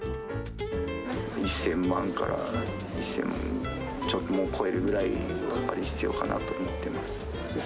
１０００万から２０００ちょっと超えるくらい、やっぱり必要かなと思ってます。